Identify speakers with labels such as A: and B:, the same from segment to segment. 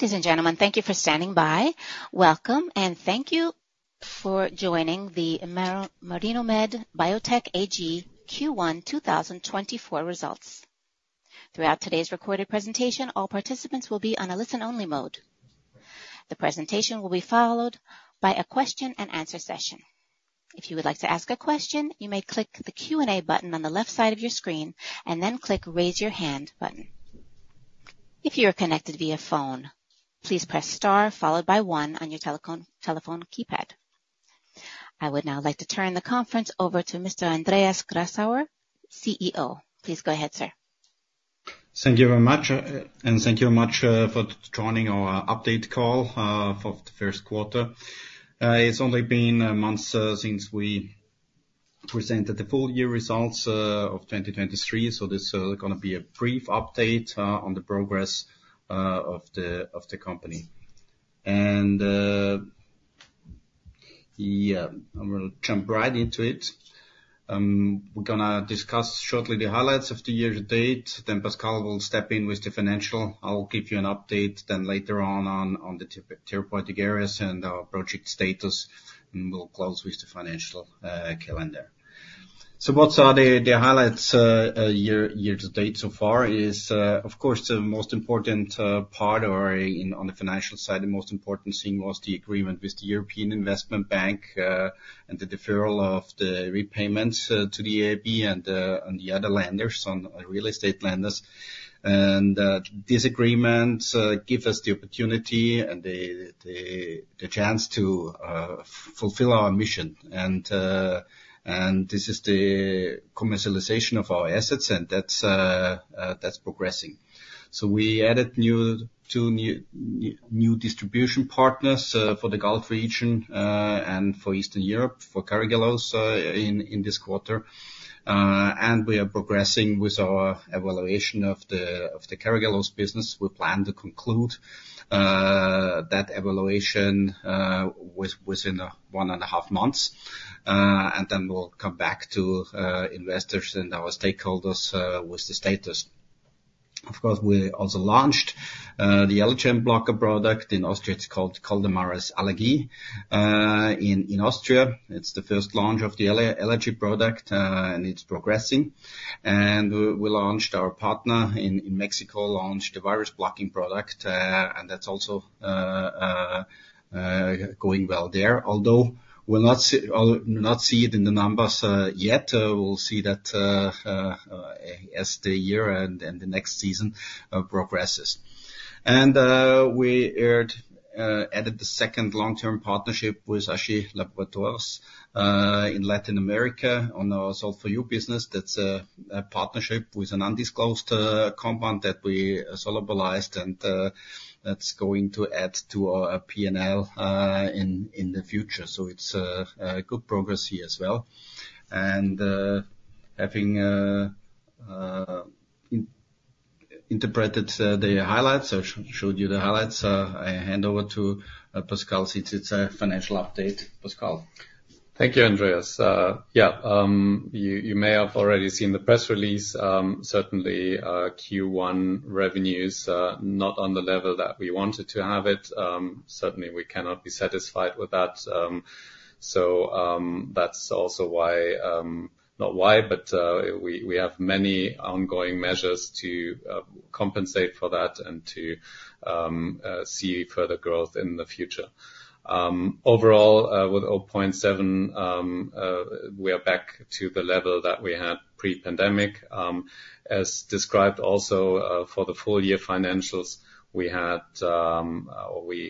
A: Ladies and gentlemen, thank you for standing by. Welcome, and thank you for joining the Marinomed Biotech AG Q1 2024 results. Throughout today's recorded presentation, all participants will be on a listen-only mode. The presentation will be followed by a question-and-answer session. If you would like to ask a question, you may click the Q&A button on the left side of your screen, and then click Raise Your Hand button. If you are connected via phone, please press star followed by one on your telephone keypad. I would now like to turn the conference over to Mr. Andreas Grassauer, CEO. Please go ahead, sir.
B: Thank you very much, and thank you very much for joining our update call for the first quarter. It's only been a month since we presented the full-year results of 2023, so this is gonna be a brief update on the progress of the company. Yeah, I'm gonna jump right into it. We're gonna discuss shortly the highlights of the year to date, then Pascal will step in with the financial. I'll give you an update then later on on the therapeutic areas and our project status, and we'll close with the financial calendar. So what are the highlights year to date so far? It is, of course, the most important on the financial side, the most important thing was the agreement with the European Investment Bank and the deferral of the repayments to the EIB and the other lenders on real estate lenders. This agreement gives us the opportunity and the chance to fulfill our mission, and this is the commercialization of our assets, and that's progressing. So we added two new distribution partners for the Gulf region and for Eastern Europe for Carragelose in this quarter. And we are progressing with our evaluation of the Carragelose business. We plan to conclude that evaluation within one and a half months, and then we'll come back to investors and our stakeholders with the status. Of course, we also launched the allergen blocker product. In Austria, it's called Coldamaris Allergy. In Austria, it's the first launch of the allergy product, and it's progressing. And our partner in Mexico launched a virus blocking product, and that's also going well there. Although, we'll not see it in the numbers yet, we'll see that as the year and the next season progresses. And we added the second long-term partnership with Aché Laboratórios in Latin America on our Solv4U business. That's a partnership with an undisclosed compound that we solubilized, and that's going to add to our P&L in the future. So it's a good progress here as well. And having interpreted the highlights or showed you the highlights, I hand over to Pascal, since it's a financial update. Pascal?
C: Thank you, Andreas. You may have already seen the press release. Certainly, Q1 revenues not on the level that we wanted to have it. Certainly, we cannot be satisfied with that, so that's also why, not why, but we have many ongoing measures to compensate for that and to see further growth in the future. Overall, with 0.7 million, we are back to the level that we had pre-pandemic. As described also, for the full-year financials, we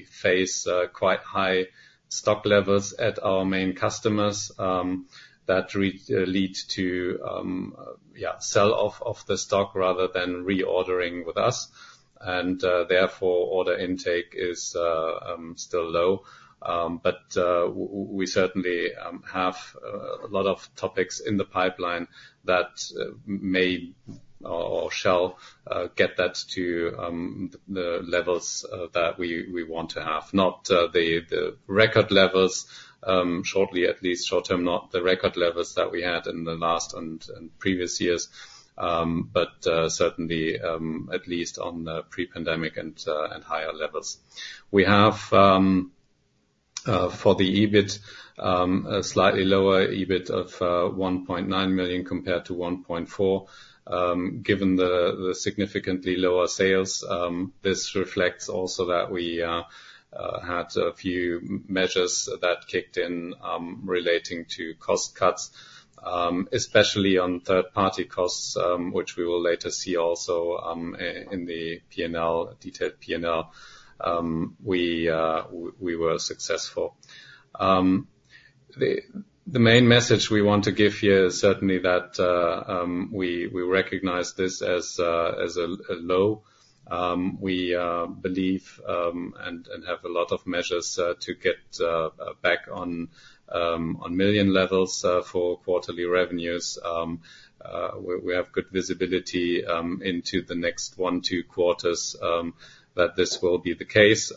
C: face quite high stock levels at our main customers that lead to sell-off of the stock rather than reordering with us, and therefore, order intake is still low. But we certainly have a lot of topics in the pipeline that may or shall get that to the levels that we want to have. Not the record levels shortly, at least short term, not the record levels that we had in the last and previous years, but certainly at least on the pre-pandemic and higher levels. We have for the EBIT a slightly lower EBIT of 1.9 million compared to 1.4 million. Given the significantly lower sales, this reflects also that we had a few measures that kicked in, relating to cost cuts, especially on third-party costs, which we will later see also in the P&L, detailed P&L. We were successful. The main message we want to give you is certainly that we recognize this as a low. We believe and have a lot of measures to get back on million levels for quarterly revenues. We have good visibility into the next one to two quarters that this will be the case.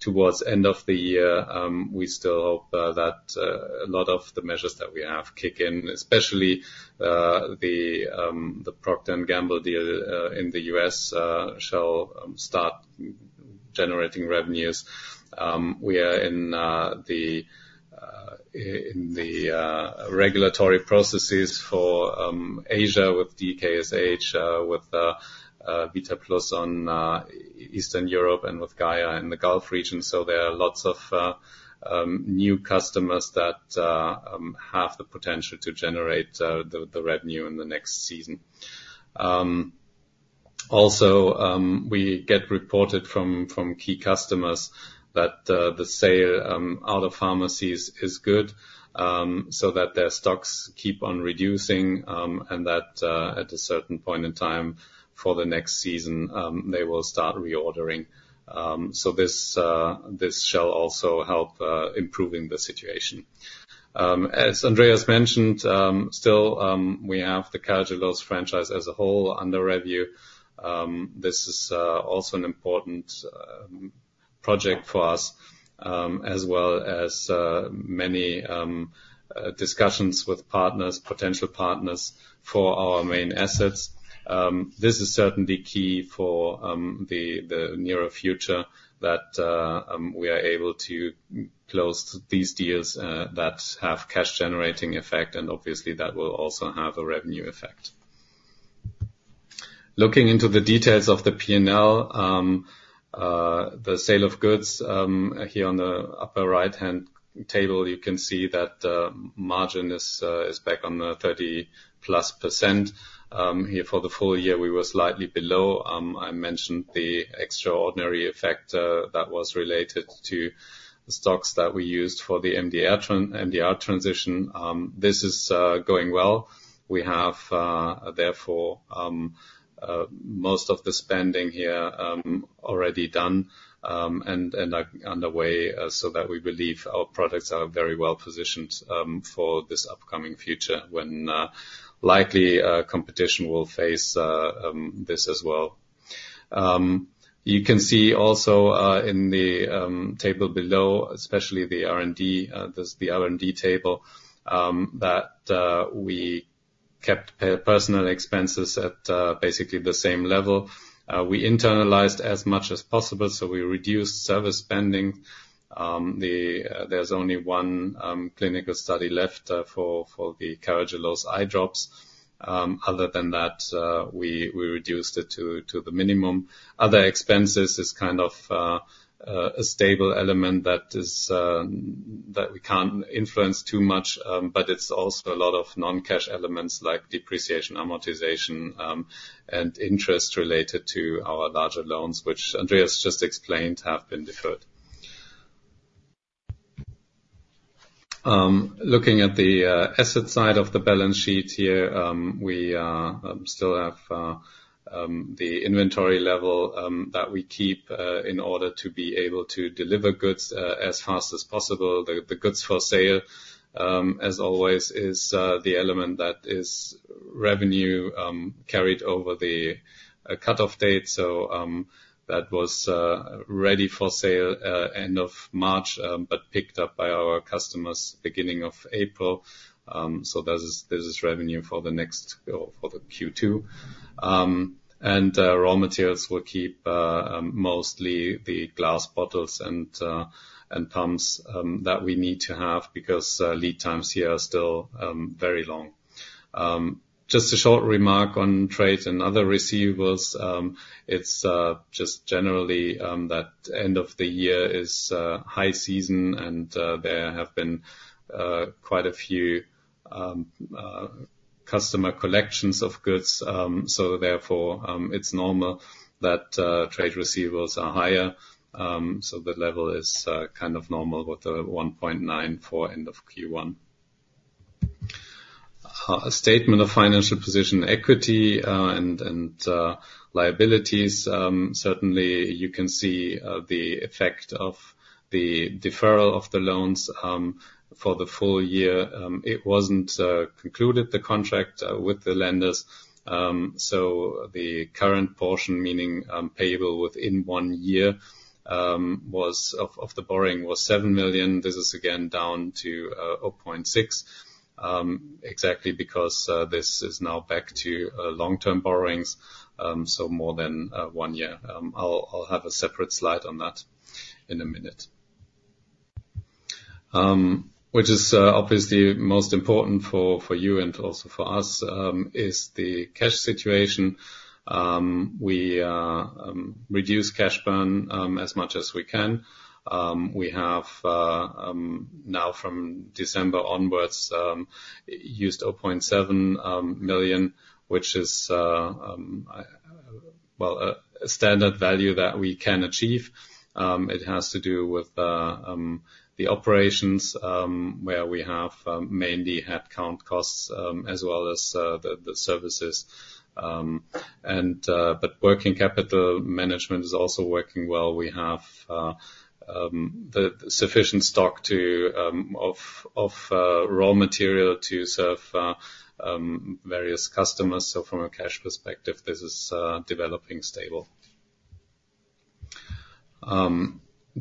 C: Toward end of the year, we still hope that a lot of the measures that we have kick in, especially the Procter & Gamble deal in the U.S. shall start generating revenues. We are in the regulatory processes for Asia with DKSH, with VitaPlus on Eastern Europe and with Gaia in the Gulf region. There are lots of new customers that have the potential to generate the revenue in the next season. Also, we get reported from key customers that the sale out of pharmacies is good, so that their stocks keep on reducing, and that at a certain point in time for the next season, they will start reordering. So this shall also help improving the situation. As Andreas mentioned, still, we have the Carragelose franchise as a whole under review. This is also an important project for us, as well as many discussions with partners, potential partners for our main assets. This is certainly key for the nearer future that we are able to close these deals that have cash generating effect, and obviously that will also have a revenue effect. Looking into the details of the P&L, the sale of goods, here on the upper right-hand table, you can see that the margin is back on the 30%+. Here for the full-year, we were slightly below. I mentioned the extraordinary effect that was related to stocks that we used for the MDR transition. This is going well. We have therefore most of the spending here already done, and are underway, so that we believe our products are very well positioned for this upcoming future, when likely competition will face this as well. You can see also in the table below, especially the R&D, the R&D table, that we kept personal expenses at basically the same level. We internalized as much as possible, so we reduced service spending. There's only one clinical study left for the Carragelose eye drops. Other than that, we reduced it to the minimum. Other expenses is kind of a stable element that we can't influence too much, but it's also a lot of non-cash elements like depreciation, amortization, and interest related to our larger loans, which Andreas just explained, have been deferred. Looking at the asset side of the balance sheet here, we still have the inventory level that we keep in order to be able to deliver goods as fast as possible. The goods for sale, as always, is the element that is revenue carried over the cutoff date. So, that was ready for sale end of March, but picked up by our customers beginning of April. So this is revenue for the next, or for the Q2. Raw materials will keep mostly the glass bottles and pumps that we need to have, because lead times here are still very long. Just a short remark on trade and other receivables. It's just generally that end of the year is high season, and there have been quite a few customer collections of goods. So therefore, it's normal that trade receivables are higher. So the level is kind of normal with the 1.94 end of Q1. A statement of financial position, equity, and liabilities, certainly you can see the effect of the deferral of the loans for the full-year. It wasn't concluded, the contract with the lenders, so the current portion, meaning payable within one year, was of the borrowing, was 7 million. This is again down to 0.6 million exactly because this is now back to long-term borrowings, so more than one year. I'll have a separate slide on that in a minute. Which is obviously most important for you and also for us is the cash situation. We reduce cash burn as much as we can. We have now from December onwards used 0.7 million, which is well, a standard value that we can achieve. It has to do with the operations, where we have mainly headcount costs, as well as the services. But working capital management is also working well. We have the sufficient stock of raw material to serve various customers. So from a cash perspective, this is developing stable.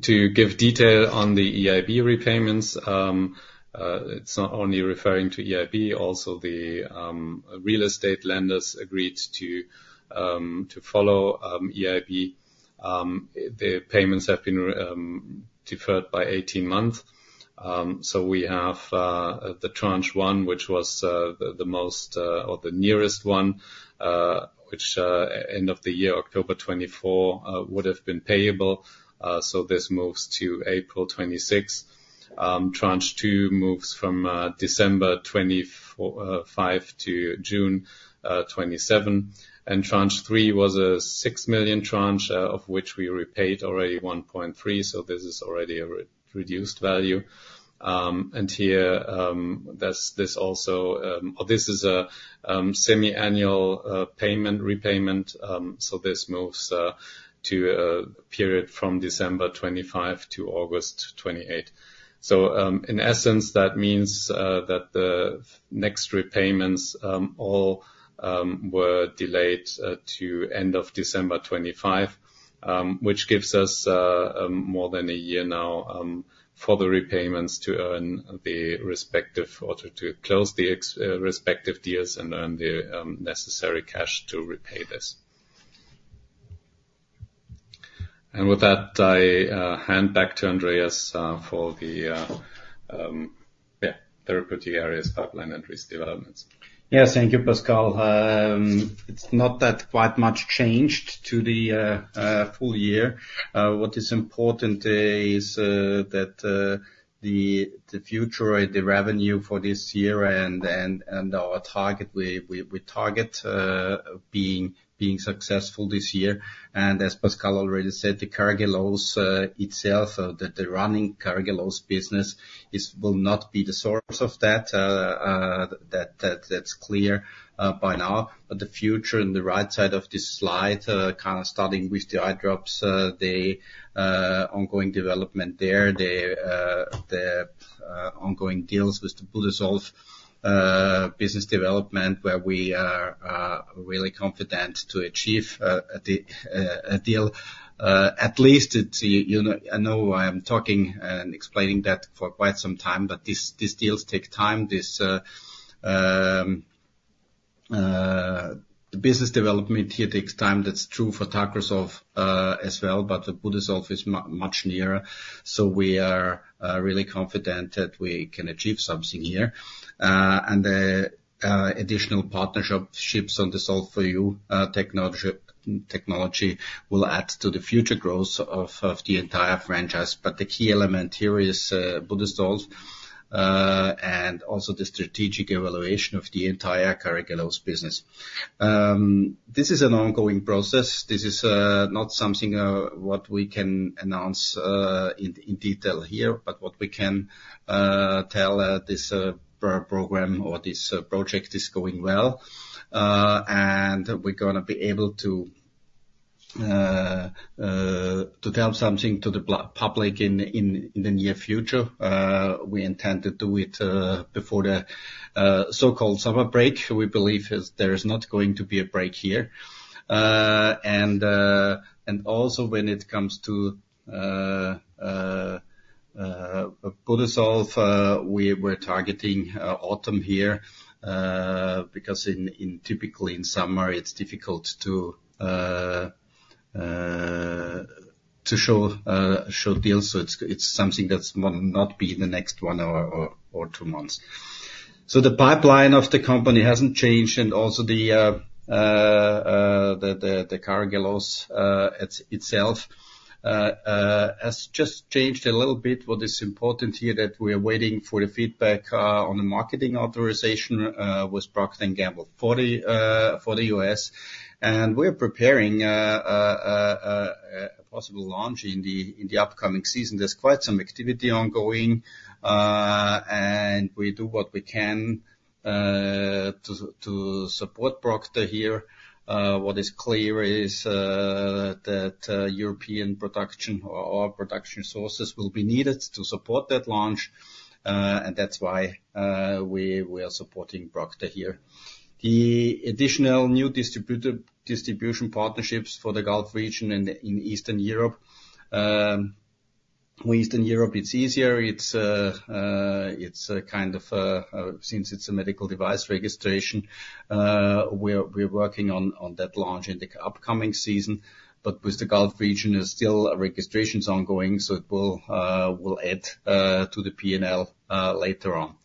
C: To give detail on the EIB repayments, it's not only referring to EIB, also the real estate lenders agreed to follow EIB. The payments have been deferred by 18 months. So we have the tranche 1, which was the most, or the nearest one, which end of the year, October 2024, would have been payable. So this moves to April 2026. Tranche two moves from December 2024-2025 to June 2027. And tranche three was a 6 million tranche, of which we repaid already 1.3 million, so this is already a reduced value. And here, that's this also, or this is a semiannual payment repayment. So this moves to a period from December 2025 to August 2028. So, in essence, that means that the next repayments all were delayed to end of December 2025, which gives us more than a year now for the repayments to earn the respective or to close the respective deals and earn the necessary cash to repay this. And with that, I hand back to Andreas for the therapeutic areas, pipeline and risk developments.
B: Yeah. Thank you, Pascal. It's not that quite much changed to the full-year. What is important is that the future, the revenue for this year and our target, we target being successful this year. And as Pascal already said, the Carragelose itself, the running Carragelose business is-- will not be the source of that, that's clear by now. But the future in the right side of this slide, kind of starting with the eye drops, the ongoing development there, the ongoing deals with the Budesolv business development, where we are really confident to achieve a deal. At least it's, you know, I know I'm talking and explaining that for quite some time, but these, these deals take time. This, the business development here takes time. That's true for Tacrosolv, as well, but the Budesolv is much nearer. So we are really confident that we can achieve something here. And the additional partnerships on the Solv4U technology will add to the future growth of the entire franchise. But the key element here is Budesolv, and also the strategic evaluation of the entire Carragelose business. This is an ongoing process. This is not something what we can announce in detail here, but what we can tell, this program or this project is going well. And we're gonna be able to tell something to the public in the near future. We intend to do it before the so-called summer break. We believe there is not going to be a break here. And also when it comes to Budesolv, we're targeting autumn here, because typically in summer, it's difficult to show deals. So it's something that's not gonna be in the next one or two months. So the pipeline of the company hasn't changed, and also the Carragelose itself has just changed a little bit. What is important here, that we are waiting for the feedback on the marketing authorization with Procter & Gamble for the U.S.. We're preparing a possible launch in the upcoming season. There's quite some activity ongoing, and we do what we can to support Procter here. What is clear is that European production or our production sources will be needed to support that launch, and that's why we are supporting Procter here. The additional new distribution partnerships for the Gulf region and in Eastern Europe. With Eastern Europe, it's easier. It's a kind of since it's a medical device registration, we're working on that launch in the upcoming season. But with the Gulf region, there's still registrations ongoing, so it will add to the P&L later on.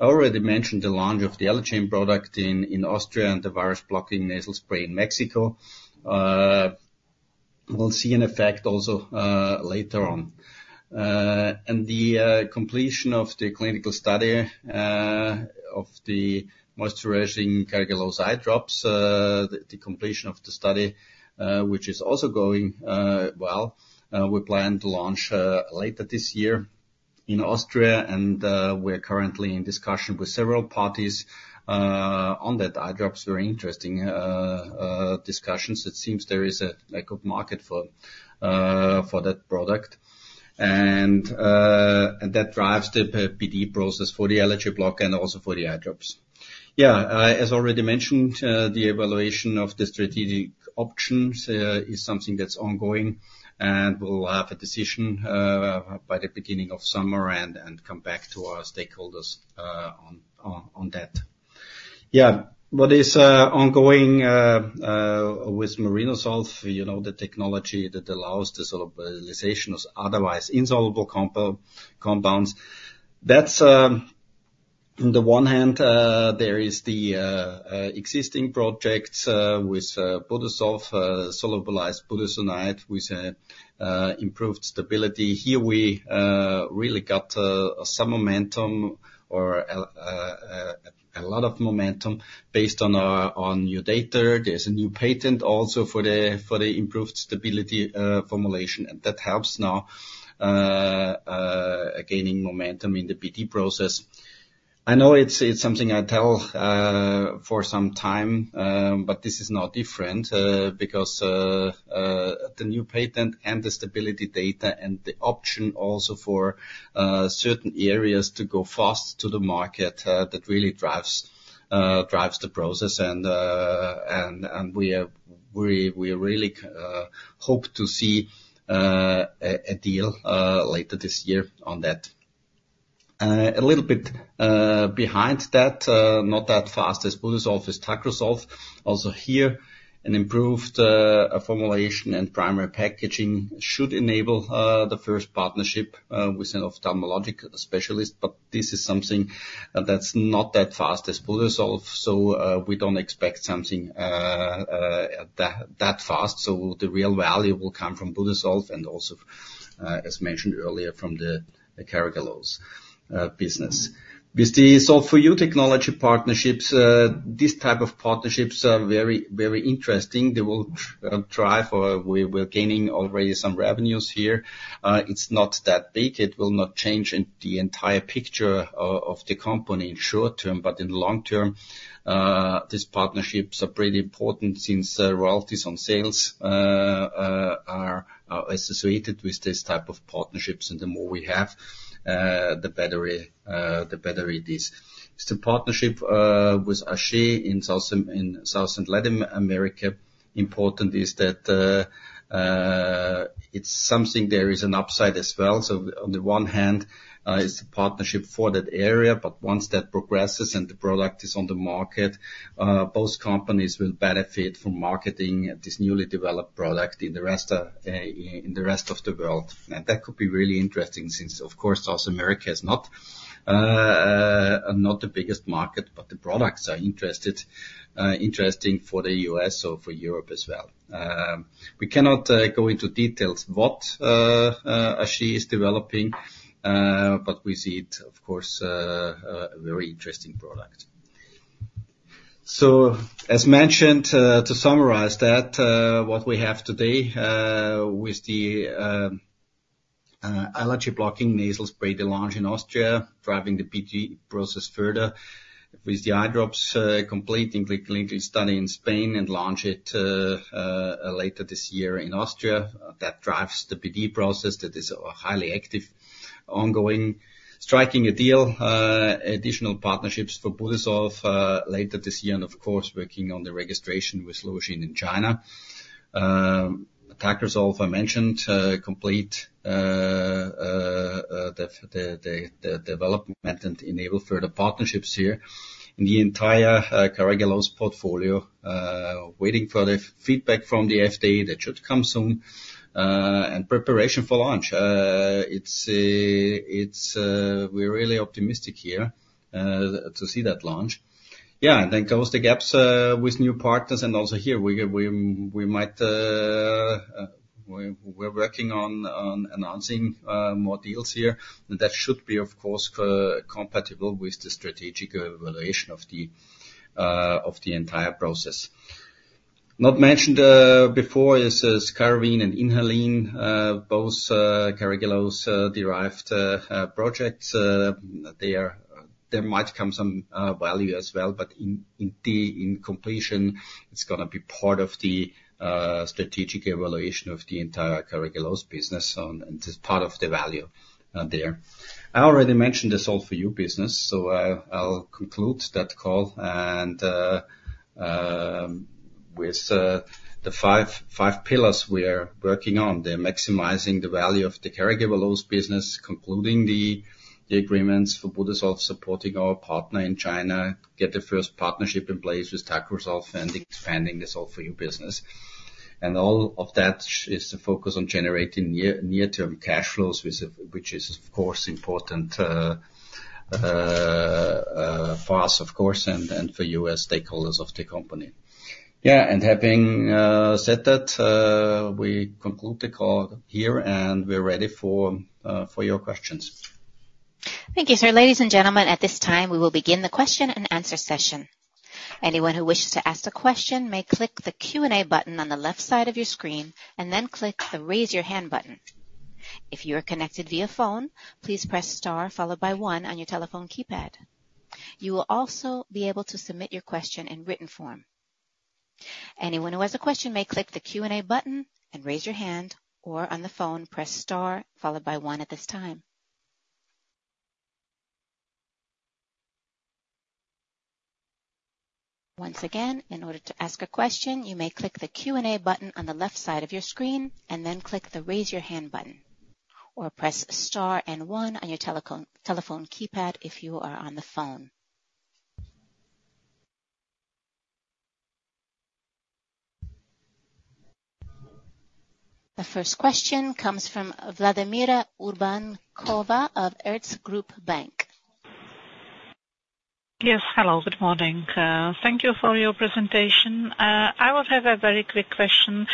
B: I already mentioned the launch of the Allergen product in Austria and the virus-blocking nasal spray in Mexico. We'll see an effect also later on. And the completion of the clinical study of the moisturizing Carragelose eye drops, the completion of the study, which is also going well. We plan to launch later this year in Austria, and we're currently in discussion with several parties on that eye drops. Very interesting discussions. It seems there is a good market for that product. And that drives the PD process for the allergy block and also for the eye drops. Yeah, as already mentioned, the evaluation of the strategic options is something that's ongoing, and we'll have a decision by the beginning of summer and come back to our stakeholders on that. Yeah, what is ongoing with Marinosolv, you know, the technology that allows the solubilization of otherwise insoluble compounds. That's, on the one hand, there is the existing projects with Budesolv, solubilized budesonide, with improved stability. Here, we really got some momentum or a lot of momentum based on new data. There's a new patent also for the improved stability formulation, and that helps now gaining momentum in the BD process. I know it's, it's something I tell for some time, but this is not different, because the new patent and the stability data, and the option also for certain areas to go fast to the market, that really drives drives the process. And, and we are, we really hope to see a deal later this year on that. A little bit behind that, not that fast as Budesolv as Tacrosolv. Also here, an improved formulation and primary packaging should enable the first partnership with an ophthalmologic specialist. But this is something that's not that fast as Budesolv, so we don't expect something that fast. So the real value will come from Budesolv and also, as mentioned earlier, from the Carragelose business. With the Solv4U technology partnerships, these type of partnerships are very, very interesting. They will drive or we're gaining already some revenues here. It's not that big, it will not change in the entire picture of the company in short term, but in long term, these partnerships are pretty important since royalties on sales are associated with this type of partnerships. And the more we have, the better it is. It's the partnership with Aché in South America and Latin America. Important is that there is an upside as well. So on the one hand, it's a partnership for that area, but once that progresses and the product is on the market, both companies will benefit from marketing this newly developed product in the rest of the world. And that could be really interesting since, of course, South America is not the biggest market. But the products are interesting for the U.S. or for Europe as well. We cannot go into details what Aché is developing, but we see it, of course, a very interesting product. So as mentioned, to summarize that, what we have today, with the allergy blocking nasal spray, the launch in Austria, driving the BD process further. With the eye drops completing the clinical study in Spain and launch it later this year in Austria. That drives the BD process that is highly active, ongoing. Striking a deal additional partnerships for Budesolv later this year, and of course, working on the registration with Luoxin in China. Tacrosolv, I mentioned, complete the development and enable further partnerships here. In the entire Carragelose portfolio, waiting for the feedback from the FDA. That should come soon, and preparation for launch. We're really optimistic here to see that launch. Yeah, and then close the gaps with new partners, and also here we might, we're working on announcing more deals here. That should be, of course, compatible with the strategic evaluation of the entire process. Not mentioned before is Carravin and Inhaleen, both Carragelose derived projects. There might come some value as well, but in completion, it's gonna be part of the strategic evaluation of the entire Carragelose business, and just part of the value there. I already mentioned the Solv4U business, so I'll conclude that call. With the five pillars we are working on, they're maximizing the value of the Carragelose business, concluding the agreements for Budesolv, supporting our partner in China, get the first partnership in place with Tacrosolv, and expanding the Solv4U business. All of that is to focus on generating near-term cash flows, which is, of course, important for us, of course, and for you as stakeholders of the company. Yeah, and having said that, we conclude the call here, and we're ready for your questions.
A: Thank you, sir. Ladies and gentlemen, at this time, we will begin the question-and-answer session. Anyone who wishes to ask a question may click the Q&A button on the left side of your screen and then click the Raise Your Hand button. If you are connected via phone, please press star, followed by one on your telephone keypad. You will also be able to submit your question in written form. Anyone who has a question may click the Q&A button and raise your hand, or on the phone, press star, followed by one at this time. Once again, in order to ask a question, you may click the Q&A button on the left side of your screen and then click the Raise Your Hand button... or press star and one on your telephone keypad if you are on the phone. The first question comes from Vladimíra Urbánková of Erste Group Bank.
D: Yes, hello, good morning. Thank you for your presentation. I would have a very quick question.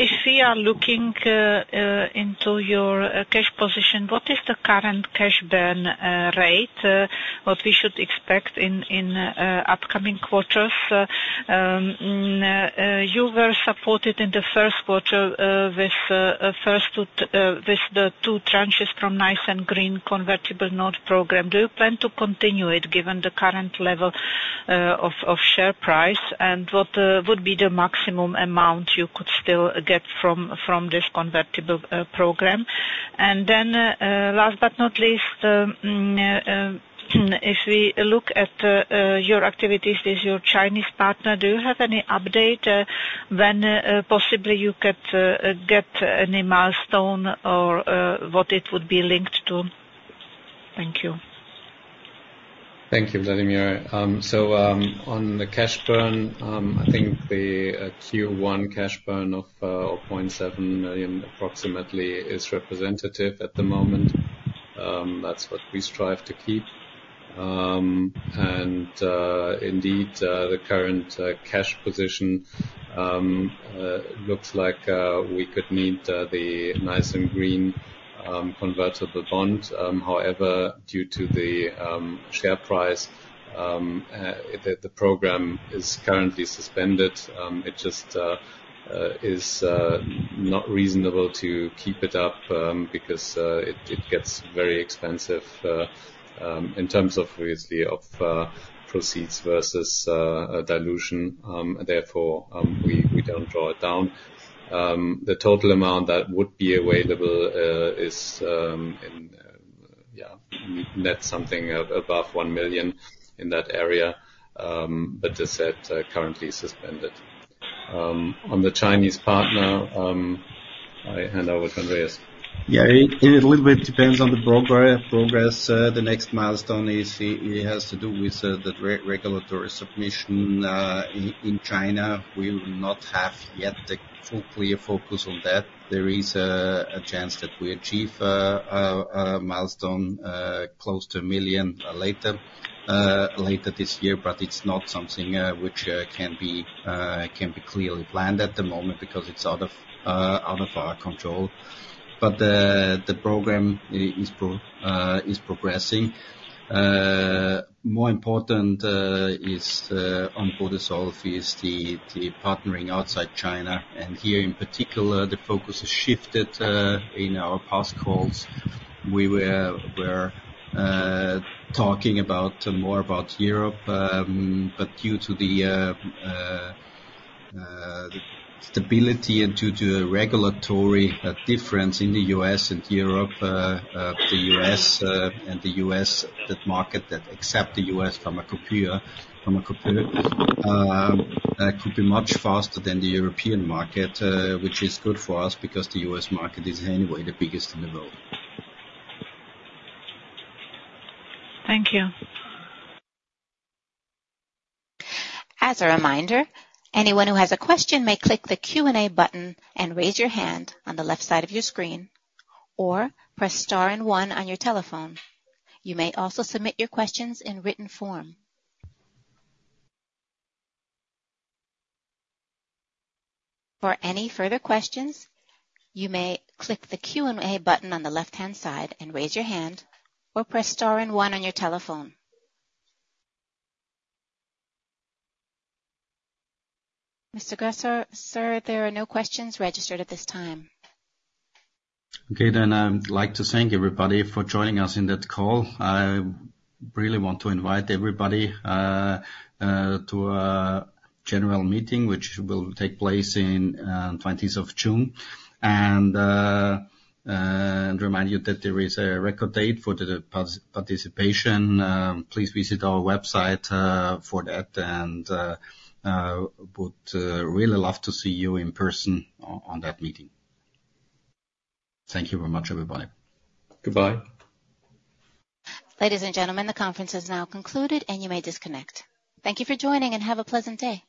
D: If we are looking into your cash position, what is the current cash burn rate, what we should expect in upcoming quarters? You were supported in the first quarter with the two tranches from Nice & Green convertible note program. Do you plan to continue it given the current level of share price? And what would be the maximum amount you could still get from this convertible program? And then, last but not least, if we look at your activities with your Chinese partner, do you have any update when possibly you could get any milestone or what it would be linked to? Thank you.
C: Thank you, Vladimira. So, on the cash burn, I think the Q1 cash burn of 0.7 million approximately is representative at the moment. That's what we strive to keep. And indeed, the current cash position looks like we could need the Nice & Green convertible bond. However, due to the share price, the program is currently suspended. It just is not reasonable to keep it up, because it gets very expensive in terms obviously of proceeds versus a dilution. Therefore, we don't draw it down. The total amount that would be available is net something above 1 million in that area, but as said, currently suspended. On the Chinese partner, I hand over Andreas.
B: Yeah, it a little bit depends on the progress. The next milestone is, it has to do with the regulatory submission in China. We will not have yet the full clear focus on that. There is a chance that we achieve a milestone close to 1 million later this year, but it's not something which can be clearly planned at the moment because it's out of our control. But the program is progressing. More important is on Budesolv is the partnering outside China, and here in particular, the focus has shifted. In our past calls, we were, we're talking more about Europe, but due to the stability and due to regulatory difference in the U.S. and Europe, the U.S. and the U.S. market that accepts the U.S. Pharmacopeia could be much faster than the European market, which is good for us because the U.S. market is anyway the biggest in the world.
D: Thank you.
A: As a reminder, anyone who has a question may click the Q&A button and raise your hand on the left side of your screen, or press star and one on your telephone. You may also submit your questions in written form. For any further questions, you may click the Q&A button on the left-hand side and raise your hand, or press star and one on your telephone. Mr. Grassauer, sir, there are no questions registered at this time.
B: Okay, then I'd like to thank everybody for joining us in that call. I really want to invite everybody to our general meeting, which will take place in 20th of June. And remind you that there is a record date for the participation. Please visit our website for that, and would really love to see you in person on that meeting. Thank you very much, everybody.
C: Goodbye.
A: Ladies and gentlemen, the conference is now concluded, and you may disconnect. Thank you for joining, and have a pleasant day.